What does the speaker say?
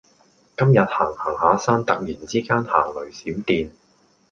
今日行行下山突然之間行雷閃電